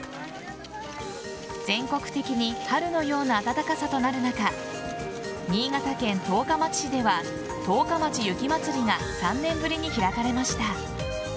全国的に春のような暖かさとなる中新潟県十日町市では十日町雪まつりが３年ぶりに開かれました。